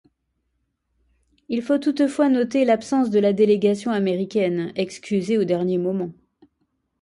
Il faut toutefois noter l'absence de la délégation américaine, excusée au dernier moment.